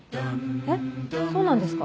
えっそうなんですか？